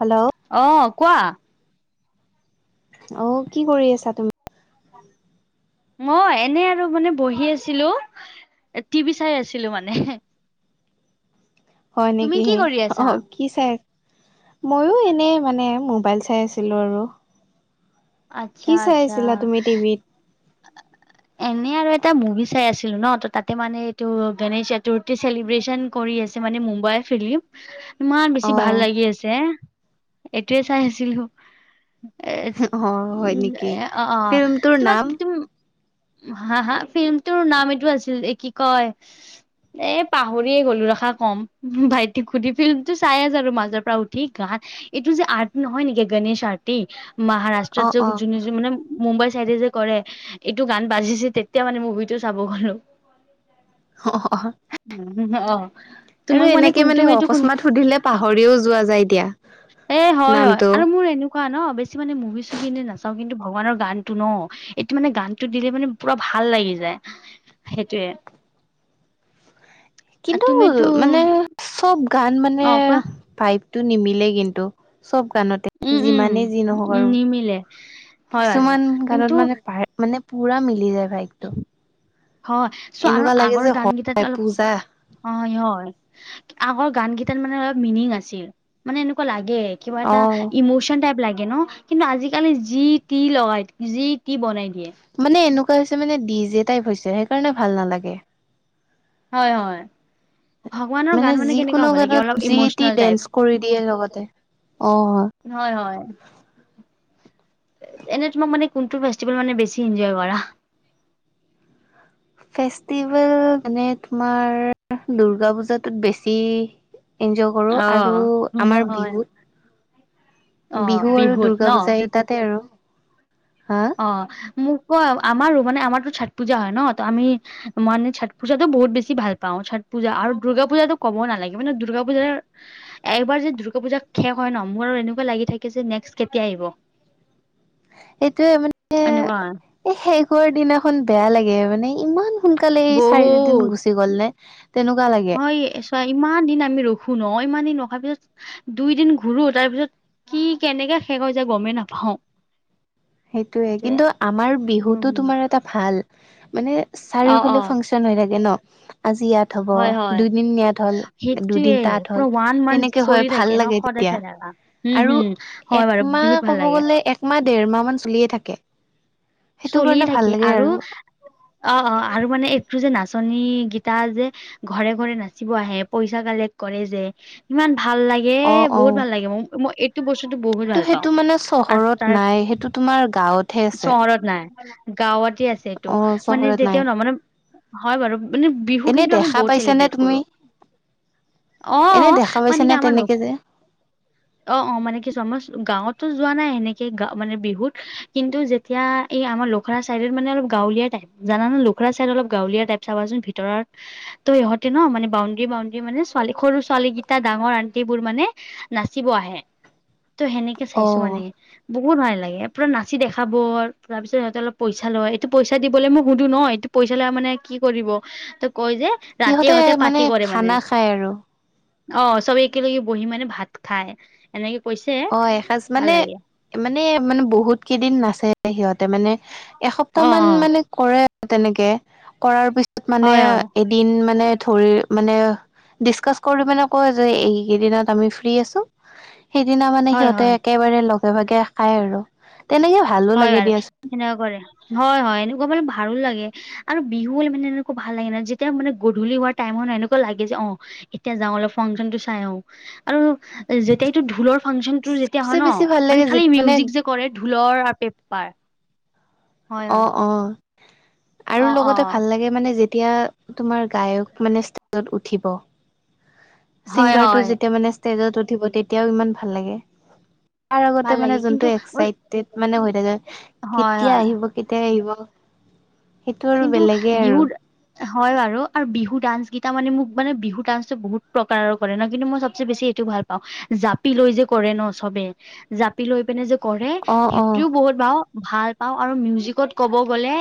Hello অ' কোৱা? অ', কি কৰি আছা তুমি? ম'ই এনে আৰু মানে বহি আছিলোঁ, টিভি চাই আছিলো মানে। হয় তুমি কি নেকিহে? কৰি আছা? কি চাই? ময়ো এনেই মানে, মোবাইল চাই আছিলো আৰু। আচ্ছা কি চাই আচ্ছা আছিলা তুমি টিভিত? [inaudible] এনে আৰু এটা মুভি চাই আছিলো ন, ত' তাতে মানে এইটো গণেশ চতুৰ্থী চেলিব্ৰেচন কৰি আছে মানে মুম্বাইৰ ফিল্ম ইমান বেছি অ ভাল লাগি আছে, এইটোৱে চাই আছিলোঁ। এ, অ হয় উঁ, নেকি অ' অঁ। ফিল্মটোৰ তোমাক নাম হা-হা? ফিল্মটোৰ নাম এইটো আছিল, এ কি কয়! এ পাহৰিয়ে গলো ৰ'খা কম, ভাইটিক সুধি ফিল্মতো চাই [unintelligible] আৰু মাজৰ পৰা উঠি গান এইটো যে আৰ্টি নহয় নেকি? গণেশ আৰ্টি, এই অ মহাৰাষ্ট্ৰত যে অ যোনে যো মানে মুম্বাই চাইডে যে কৰে। এইটো গান বাজিছে তেতিয়া মানে মুভিটো চাব গলোঁ। অ [inaudible] উ অ। আৰু তোমাক মানে এনেকে কুনতু মিটো কুন অকস্মাত সুধিলে পাহৰিও যোৱা যায় দিয়া। এ হয় হয়, নামটো আৰু মোৰ এনো কোৱা ন, বেছি মানে মুভি-চুভি এনে নাচাও কিন্তু ভগৱানৰ গানটো ন এইটো মানে গানটো দিলে মানে পুৰা ভাল লাগি যায়, সেইটোৱে। কিন্তু মানে, চব গান মানে অ কোৱা ভাইভটো নিমিলে কিন্তু, চব গানত উম যিমানেই যি নহওঁক উম আৰু। নিমিলে হয় আৰু কিছুমান গানত কিন্তু মানে পাৰে মানে পুৰা মিলি যায় ভাইকটো। হয়, চোৱা আৰু আগৰ যে হয় গানগেটাত অলপ পূজা অয় হয়। আগৰ গান গেটাত মানে অলপ মিনিং আ'ছে। মানে এনেকুৱা লাগে, কিবা অ এটা ইমোচন টাইপ লাগে ন! কিন্তু আজি-কালি যি-টি লগাই, যি-টি বনাই দিয়ে। মানে এনেকুৱা হৈছে মানে ডি'জে টাইপ হৈছে, সেইকাৰণে ভাল নালাগে। হয় হয়। ভগৱানৰ মানে গান কেনেকা যিকোনো হ'ব লাগে গানত অলপ যি-টি ইম'চনেল টাইপ ডেন্স কৰি দিয়ে লগতে। অঁহ হয়। হয় হয়। এনে তোমাক মানে কোনটো ফেষ্টিভেল মানে বেছি এনজয় কৰা? ফেষ্টিভেল মানে তোমাৰ দুৰ্গা পূজাটোত বেছি এনজয় অ কৰোঁ আৰু আমাৰ হয় বিহুত অ বিহু আৰু বিহুত দুৰ্গা ন পূজা এই তাতে আৰু। হা? অঁ মোক ক আমাৰো মানে আমাৰটো চত পূজা হয় ন ত' আমি মানে চত পূজাতো বহুত বেছি ভাল পাওঁ, চত পূজা আৰু দুৰ্গা পূজাটো ক'ব নালাগে মানে দুৰ্গা পূজাৰ একবাৰ যদি দুৰ্গা পূজা শেষ হয় ন মোৰ আৰু এনেকুৱা লাগি থাকে যে নেক্সট কেতিয়া আহিব। সেইটোৱে এনেকুৱা হয়। এ শেষ হোৱাৰ দিনাখন বেয়া লাগে মানে ইমান সোনকালে এই চাৰিদিন বহুত গুচি গ'ল নে তেনেকুৱা লাগে। হয় চোৱা ইমান দিন আমি ৰখো ন ইমান দিন ৰখাৰ পিছত দুই দিন ঘূৰো তাৰ পিছত কি কেনেকে শেষ হৈ যায় গমেই নাপাও। সেইটোয়ে কিন্তু আমাৰ বিহুটো তোমাৰ এটা ভাল মানে অ অ চাৰিফালে ফাং চন হৈ থাকে ন, আজি ইয়াত হ'ব, হয় হয় দুদিন ইয়াত হল সেইটোয়ে দুদিন তাত পুৰা হ'ল ওৱান মান্থ তেনেকে চলি হয় থাকে ভাল ন লাগে সদায় তেতিয়া। চাই থাকা উম আৰু হুম হয় বাৰু একমাহ বিহুত ভাল কব লাগে গ'লে একমাহ দেৰ মাহ মান চলিয়ে থাকে। সেইটো কাৰণে ভাল লাগে আৰু। অঁ অঁ আৰু মানে এইটো যে নাচনী গীতা যে ঘৰে ঘৰে নাচিব আহে পইছা কালেক্ট কৰে যে ইমান ভাল লাগে অ এ অ বহুত ভাল লাগে মোক মই এইটো বস্তুটো বহুত ত ভাল সেইটো পাওঁ, মানে আৰু চহৰত তাৰ নাই সেইটো তোমাৰ গাঁৱত চহৰত নাই গাঁৱতে আছে এইটো, অ মানে চহৰত নাই তেতিয়াও ন মানে হয় বাৰু মানে বিহু এনে কিন্তু আমি দেখা বহুত পাইছানে চেলিব্ৰেট তুমি কৰো। এনে অঁ, দেখা মানে পাইছানে কি আমাৰ ল তেনেকে যে অঁ অঁ মানে কি চোৱা মই গাঁৱতটো যোৱা নাই এনেকে গা মানে বিহুত কিন্তু যেতিয়া এই আমাৰ লখৰা চাইডত মানে অলপ গাঁৱলীয়া টাইপ। জানানে লখৰা ছাইড অলপ গাঁৱলীয়া টাইপ চাবাচোন ভিতৰৰ ত' ইহঁতে ন মানে বাউণ্ডৰী বাউণ্ডৰী মানে ছোৱালী সৰু ছোৱালীকেইটা ডাঙৰ আণ্টিবোৰ মানে, নাচিব আহে ত' সেনেকে অ চাইছো মানে বহুত ভাল লাগে। পুৰা না চি দেখাব তাৰ পিছত সিহঁতে অলপ পইচা লয় এইটো পইচা দিবলৈ মোক সুধো ন এইটো পইচা লৈ মানে কি কৰিব ত' কয় যে ৰাতি সিহঁতে মানে পাৰ্টি কৰে মানে। খানা খায় আৰু অ' চবে একেলগে বহি মানে ভাত খাই এনেকে কৈছে, অ এসাঁজ ভাল মানে লাগে। মানে মানে বহুত কেইদিন নাচে সিহঁতে মানে অ এসপ্তাহ মান অ মানে কৰে তেনেকে কৰাৰ পিছত মানে হয় এদিন মানে ধৰি মানে ডিচকাচ কৰি মানে কয় যে এইকেইদিনত আমি ফ্ৰী আছো সেইদিনা মানে হয় হয় সিহঁতে হয় একেবাৰে লগে ভাগে খাই আৰু তেনেকে ভালো লাগে দিয়াচোন। নকৰে হয় হয়, এনেকুৱা মানে ভালো লাগে। আৰু বিহু হ'লে মানে এনেকুৱা ভাল লাগে ন যেতিয়া মানে গধূলি হোৱাৰ টাইম এনেকুৱা লাগে যে অঁ এতিয়া যাওঁ অলপ ফাংচনটো চাই আহো আৰু যেতিয়া এইটো ঢোলৰ ফাংচনটো যেতিয়া চবচে হয় ন বেছি ভাল মানে লাগে খালি যেতিয়া মিউজিক যে কৰে ঢোলৰ পেপাৰ হয় অ' হয় অ' আৰু অ অ লগতে ভাল লাগে মানে যে তিয়া তোমাৰ গায়ক মানে ষ্টেজত উঠিব। হয় ছিংগাৰটো হয় যেতিয়া মানে ষ্টেজত উঠিব তেতিয়াও ইমান ভাল লাগে। তাৰ ভাল আগতে লাগে মানে কিন্তু যোনটো একচাইট মেন্তে হৈ থাকে হয় কেতিয়া হয় আহিব কেতিয়া আহিব। সেইটো আৰু কিন্তু বেলেগে আৰু। বিহুত হয় বাৰু আৰু বিহু ডান্স কেইটা মানে মোক মানে বিহু ডান্সটো বহুত প্ৰকাৰৰ কৰে ন কিন্তু মই চবচে বেছি এটো ভাল পাওঁ জাপি লৈ যে কৰে ন চবে জাপি লৈ পিনে যে কৰে অ অ সেইটোও বহুত বাৰ ভাল পাওঁ আৰু মিউজিকত ক'ব গ'লে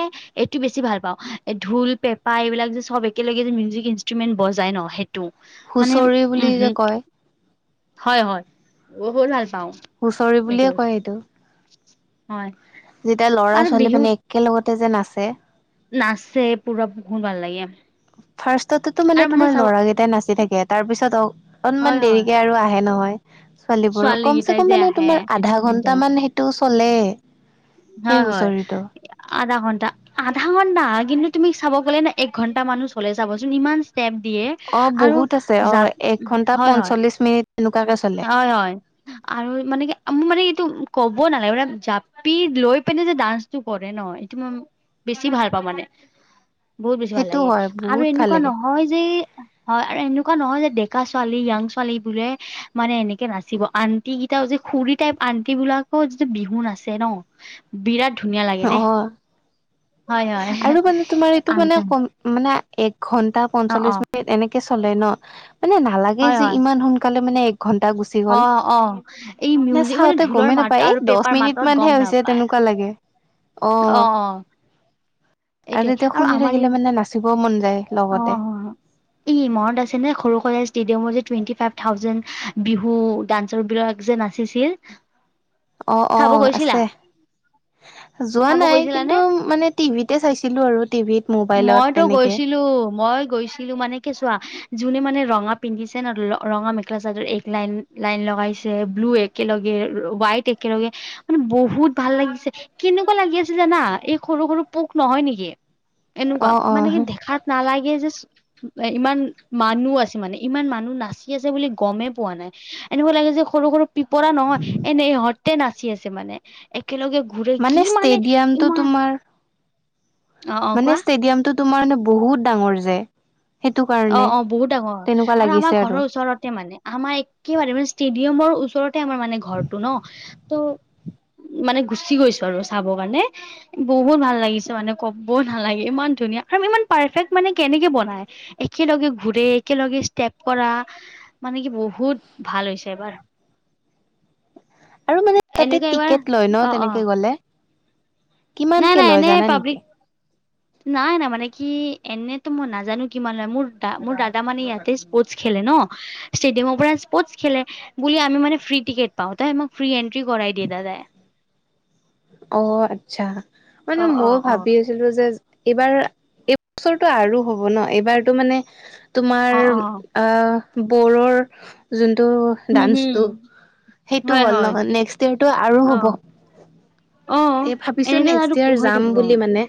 টো বেছি ভাল পাওঁ ঢোল পেপা এইবিলাক যে চব একেলগে যে মিউজিক ইনষ্ট্ৰুমেন্ট বজাই ন সেইটো মানে হুঁচৰি বুলি উম যে হম কয় হয় হয় বহুত ভাল পাওঁ হুঁচৰি এইটো বুলিয়ে কয় বস্তু সেইটো হয় যেতিয়া ল'ৰা আৰু ছোৱালী বিহুত মানে একেলগতে যে নাচে নাচে পুৰা বহুত ভাল লাগে ফাৰ্ষ্টতেতো মানে আৰু তোমাৰ চাব লৰাৰাকেইটাই নাচি থাকে তাৰ পিছত অ হয় অনমান হয় দেৰিকে আৰু আহে নহয় ছোৱালী বোৰো কমচে কেইটাই যে কম মানে আহে তোমাৰ আধা এতে ঘন্ট মান টো চলে সেই হয় হয় হুঁচৰিটো আধা ঘণ্টা আধা ঘণ্টা কিন্তু তুমি চাব গ'লে ন এক ঘণ্টা মানো চলে চাবচোন ইমান ষ্টেপ দিয়ে অ আৰু বহুত আছে অ জাপ এক ঘন্টা হয় হয় পঞ্চল্লিশ মিনিট এনেকুৱাকে চলে হয় হয় আৰু মানে কি মোৰ মানে এইটো ক'ব নালাগে মানে জাপি লৈ পিনে যে ডান্স কৰে ন, এইটো মই বেছি ভাল পাওঁ মানে। বহুত বেছি ভাল সেইটো লাগে। হয় আৰু বহুত ভাল এনেকুৱা লাগে নহয় যে হয় আৰু এনেকুৱা নহয় যে ডেকা ছোৱালী, য়াং ছোৱালী বোলে মানে এনেকে নাচিব আণ্টি কেইটাওপষ যে খুৰী টাইপ আন্টি বিলাকৰ যিটো বিহু নাচে ন বিৰাট ধুনীয়া লাগে দেই অ হয় হয় আৰু মানে তোমাৰ এইটো আক মানে কম মানে এক ঘন্টা পঞ্চল্লিশ মিনিট এনেকে চলে ন মানে নালাগে হয় যে হয় ইমান সোনকালে মানে ঘণ্টা গুচি গ'ল অ অ এই নে মিউজিক মানে চাওঁতে ঢোলৰ গমেই মাত নাপায় এই আৰু দহ পেপাৰ মিনিট মাতত মানহে গম হৈছে নাপায় তেনেকুৱা লাগে অ অ এইটোৱে আৰু এতিয়া শুনি আমাৰ এই থাকিলে মানে নাচিবও মন যায় অ লগতে। অ কি মনত আছে সৰুসজাই ষ্টেডিয়ামত যে twenty five thousand Bihu dancer বিলাক যে নাচি চিচি অ', অ', আছে। যোৱা চাব নাই কিন্তু গৈছিলানে? মানে টিভিতে চাইছিলো আৰু টিভিত মোবাইলতে। মইতো গৈছিলো মই গৈছিলো মানে কি চোৱা যোনে মানে ৰঙা পিন্ধিছে ন ৰঙা মেখেলা চাদৰ এক লাইন লাইন লগাইছে ব্লু এক একেলগে হোৱাইট একেলগে মানে বহুত ভাল লাগিছে কেনেকুৱা লাগি আছে জানা এই সৰু, সৰু পোক নহয় নেকি এনেকুৱা অ' মানে কি অ' ভাত নালাগে যে ইমান মানুহ আছে মানে ইমান মানুহ নাচি আছে বুলি গমেই পোৱা নাই। এনেকুৱা লাগে যে সৰু সৰু পিপৰা নহয় এনেই ইহঁতে নাচি আছে মানে একেলগে ঘূৰে কি মানে ষ্টেডিয়ামটো ইমান তোমাৰ অ অ মানে কোৱা ষ্টেডিয়ামতটো তোমাৰ মে বহুত ডাঙৰ যে। সেইটো অ কাৰণে অ বহুত ডাঙৰ তেনেকুৱা আৰু আমাৰ লাগিছে ঘৰৰ ওচৰতে মানে আমাৰ একেবাৰে মানে ষ্টেডিয়ামৰ ওচৰতে আমাৰ মানে ঘৰটো ন ত মানে গুচি গৈছো আৰু চাব কাৰণে বহুত ভাল লাগিছে মানে কব ভাল লাগে ইমান ধুনীয়া আৰু ইমান পাৰফেক্ট মানে কেনেকে বনাই একেলগে ঘুৰে একেলগে ষ্টেপ কৰা। মানে কি বহুত ভাল হৈছে এবাৰ। আৰু মানে তাতে এনেকুৱা এবাৰ টিকেট লয় ন, অ অ তেনেকে গ'লে নাই কিমানকে নাই লয় এনেই জানা নেকি? পাব্লিক। নাই নাই মানে কি এনেতো মই নাজানো কিমান লয় মোৰ মোৰ দাদা মানে ইয়াতে স্পৰ্টচ খেলে ন। ষ্টেডিয়ামৰ পৰা স্পৰ্টচ খেলে বুলি আমি মান ফ্ৰী টিকেট পাওঁ তই আমাক ফ্ৰী এণ্ট্ৰি কৰাই দিয়ে দাদা। অ আচ্ছা মানে অ অ মই অ ভাবি আছোঁ ছিলো যে, এইবাৰ এই বছৰটো আৰু হব ন, এইবাৰতো মানে তোমাৰ অ অ আহ বৰৰ যোনটো হুম হুম ডান্সটো সেইটো হয় হ'ল হয় ন নেক্সট ডে আৰু অ হ'ব। অ তে ভাবিছো এনেকে নেক্সট তটো ইয়াৰ হৈ যাম থাকিব। বুলি মানে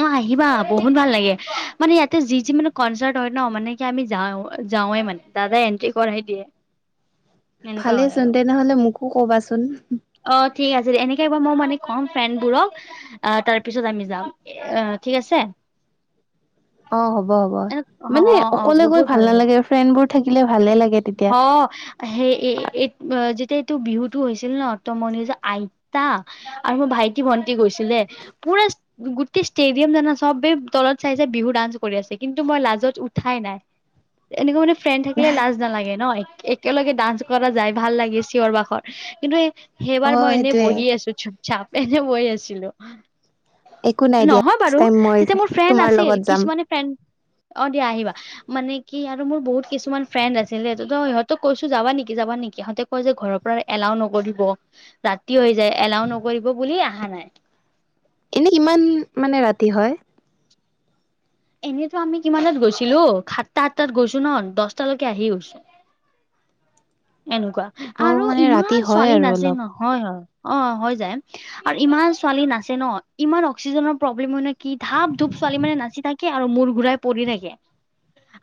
অ আহিবা বহুত ভাল লাগে মানে ইয়াতে যি যি মানে কনচাৰ্ট হয় ন মানে কি আমি যাওঁ যাওঁৱে মানে। দাদা এণ্ট্ৰি কৰাই দিয়ে। এনেকুৱা ভালে হয় চোন আৰু তেনেহলে মোকো কবাচোন অ, ঠিক আছে দে এনেকে এইবাৰ মই মানে কম ফ্ৰেণ্ডবোৰক। আহ তাৰ পিছত আমি যাম আহ ঠিক আছে। অ, হ'ব, হ'ব অ মানে অ অ অকলে গৈ বহুত ভাল লাগে নালাগে, ফ্ৰেণ্ড বোৰ থাকিলে ভালে লাগে। তেতিয়া। অ সেই এ এই যেতিয়া এইটো বিহুতটো হৈছিল ন ত মই নিজৰ আইতা আৰু মোৰ ভাইটি, ভন্টি গৈছিলে পুৰা গোটেই ষ্টেডিয়াম জানা চবেই তলত চাই চাই বিহু ডান্স কৰি আছে, কিন্তু মই লাজত উঠাই নাই। এনেকুৱা মানে ফ্ৰেণ্ড থাকিলে লাজ লাজ নালাগে ন এক একেলগে ডান্স কৰা যাই ভাল লাগে চিঞৰ বাখৰ কিন্তু এই সেইবাৰ মই অ' এনে সেইটোয়ে বহি আছো চুপচাপ এনেই বহি আছিলো। একো নাই দিয়া নহয় নেক্স বাৰু টাইম মই তেতিয়া মোৰ ফ্ৰেণ্ড তোমাৰ আছিল লগত যাম। কিছুমানে অ দিয়া আহিবা মানে কি আৰু মোৰ বহুত কিছুমান ফ্ৰেণ্ড আছে আছিলে সিহঁতক কৈছো যাবা নেকি যাবা নেকি সিহঁতে কয় যে ঘৰৰ পৰা এলাও নকৰিব। ৰাতি হৈ যায়, এলাও নকৰিব বুলি অহা নাই। এনেই কিমান মানে ৰাতি হয়। এনেইতো আমি কিমানত গৈছিলো সাতটা-আঠটাত গৈছো ন, দহটালৈকে আহি গৈছো। এনেকুৱা অ' আৰু মানে ৰাতি ইমান হয় ছোৱালী আৰু নাচে অলপ। নহয়, হয় অ, হৈ যায়। আৰু ইমান ছোৱালী নাচে ন ইমান অক্সিজেনৰ প্ৰব্লেম হয়, ন কি ধাপ ধূপ ছোৱালী মানে নাচি থাকি কি আৰু মূৰ ঘূৰাই পৰি থাকে।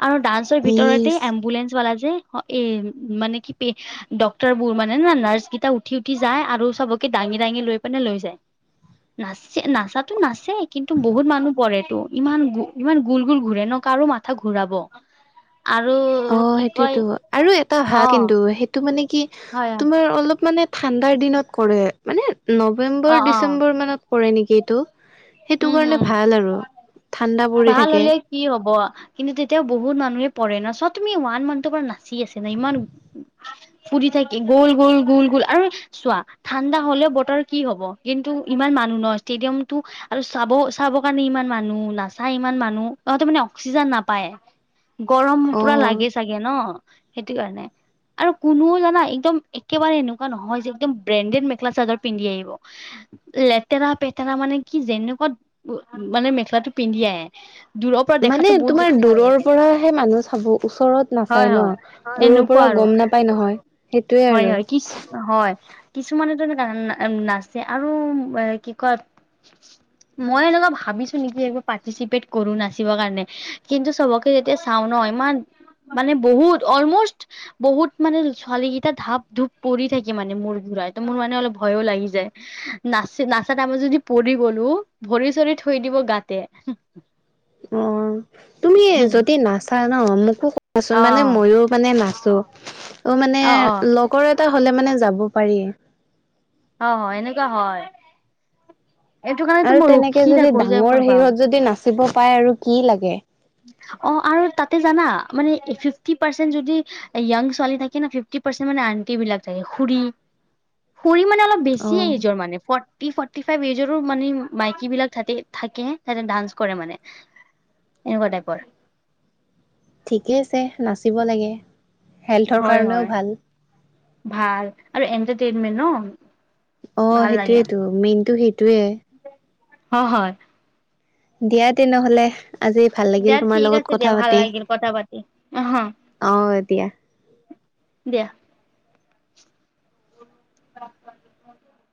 আৰু ডান্সৰ ভিতৰতে, ইচ এম্বুলেন্ঞ্চ বালা যে, এ মানে কি ডক্টৰ বোৰ মানে না নাৰ্ছ কেইটা উঠি উঠি যায় আৰু চবকে দাঙি দাঙি লৈ পেনে লৈ যায়। নাচ নাচাতো নাচেই কিন্তু বহুত মানুহ পৰেতো। ইমান গো ইমান গোল গোল ঘূৰে ন, কাৰো মাথা ঘূৰাব। আৰু। অ কি কয় সেইটোয়েতো আৰু এটা অ ভাল কিন্তু সেইটো মানে কি হয়। তোমাৰ অলপ মানে ঠাণ্ডাৰ দিনত কৰে মানে অ নৱেম্বৰ অ ডিচেম্বৰ মানত কৰে নেকি এইটো সেইটো হম কাৰণে হম ভাল আৰু ঠাণ্ডা পৰি ভাল থাকে। হলে কি হ'ব কিন্তু তেতিয়া বহুত মানুহে পৰে ন চব তুমি ওৱান মান্থৰ পৰা নাচি আছে না ইমান ফুৰি থাকি গ'ল গ'ল গোল গ'ল আৰু চোৱা ঠাণ্ডা হলেও বতৰ কি হব কিন্তু ইমান মানুহ ন ষ্টেডিয়ামতটো- আৰু চাব চাবৰ কাৰণে ইমান মানুহ নাচায় ইমান মানুহ ইহঁতে মানে অক্সিজেন নাপায়। গৰম পুৰা অ' লাগে চাগে ন সেইটো কাৰণে- আৰু কোনোও জানা একদম একেবাৰে এনেকুৱা নহয় যে একদম ব্ৰেণ্ডেড মেখেলা চাদৰ পিন্ধি আহিব। লেতেৰা পেতেৰা মানে কি যেনেকুৱা উ মানে মেখেলাটো পিন্ধি আহে। দূৰৰ পৰা দেখাতো মানে বহুত তোমাৰ বেছি ভাল দূৰৰ লাগে পৰাহে মানুহ চাব ওচৰত হয় নাচায়। হয় ন দূৰৰ এনেকুৱা পৰা আৰু গম নাপাই নহয়। সেইটোয়ে হয় আৰু। হয় কি? হয় কিছুমানেতো এনেকুৱা নাচে আৰু এ কি কয়। মই এনেকুৱা ভাবিছো নেকি এইবোৰ পাৰ্টিচিপেট কৰো নাচিবৰ কাৰণে কিন্তু চবকে যেতিয়া চাওঁ ন ইমান মানে বহুত অলমষ্ট বহুত মানে ছোৱালী এটা ধাপ ধূপ পৰি থাকে মানে মোৰ ঘুৰাই তো মোৰ মানে অলপ ভয়ো লাগি যায়। নাচি নাচা টাইমত যদি পৰি গলো ভৰি চৰি থৈ দিব গাতে- অ তুমি যদি নাচা ন মোকো কোৱাচোন অ মানে মইও মানে নাচো। অ মানে লগৰ এটা হ'লে মানে যাব পাৰি। অ, হয়, এনেকুৱা হয়। এইটো কাৰণেতো আৰু মই তেনেকে ৰখি যদি থাকো যে কোন ডাঙৰ পাম সিহত যদি নাচিব পায় আৰু কি লাগে। অ আৰু তাতে জানা মানে ফিফটি পাৰ্চেন্ট যদি। য়াং ছোৱালী থাকে ন, ফিফটি পাৰ্চেন্ট মানে আন্ট বিলাক থাকে, খুৰী খুৰী মানে অলপ বছি অ', এই নিজৰ মানে। ফৰ্টি ফৰ্টিফাইভ এজৰো মানে মাইকী বিলাক থাকে তাতে ডান্স কৰে মানে। এনেকুৱা টাইপৰ। ঠিকে আছে, নাচিব লাগে। হেল্থৰ হয় কাৰণেও হয়। ভাল ভাল আৰু এনটাৰটেইনমেণ্ট ন অ সেইটোয়েতটো মেইনতটো সেইটোয়ে। অ হয় দিয়া তেনেহলে আজি। ভাল লাগিল দিয়া তোমাৰ ঠিক লগত আছে দিয়া কথা ভাল পাতি লাগিল কথা পাতি অহ অহ দিয়া। দিয়া ৰা [inaudible]